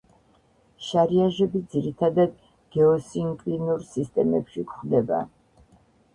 შარიაჟები ძირითადად გეოსინკლინურ სისტემებში გვხვდება.